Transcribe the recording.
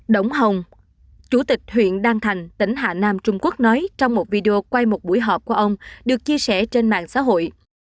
đỗng hồng chủ tịch huyện đan thành tỉnh hà nam trung quốc nói trong một video quay một buổi họp của ông được chia sẻ trên mạng xã hội